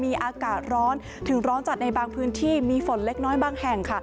มีอากาศร้อนถึงร้อนจัดในบางพื้นที่มีฝนเล็กน้อยบางแห่งค่ะ